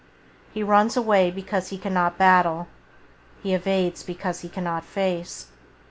He runs away because he cannot battle, he evades because he cannot face.